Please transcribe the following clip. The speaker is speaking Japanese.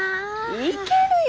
いけるよ。